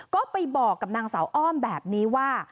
ก็ไปบอกกับนางสาวอ้อมแบบนี้ว่า